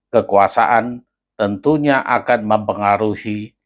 kekuasaan tentunya akan mempengaruhi